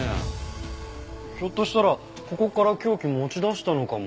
ひょっとしたらここから凶器持ち出したのかも。